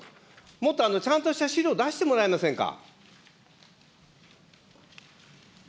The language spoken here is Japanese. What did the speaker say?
もっとちゃんとした資料、出してもらえませんか。